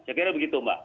saya kira begitu mbak